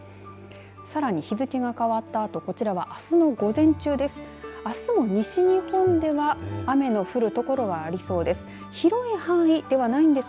さらに日付が変わったあとこちらはあすの午前中です。